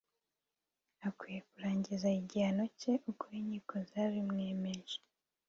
"Akwiye kurangiza igihano cye uko inkiko zabimwemeje